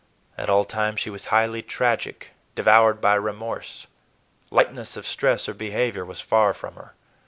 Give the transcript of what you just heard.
At all times she was highly tragic, devoured by remorse. Lightness of stress or behavior was far from her.